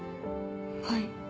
はい。